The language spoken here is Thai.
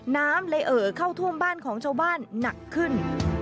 น้ำเลยเอ่อเข้าท่วมบ้านของชาวบ้านหนักขึ้น